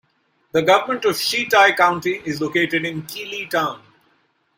The government of Shitai County is located in Qili Town.